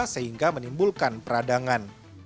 sehingga menimbulkan peradangan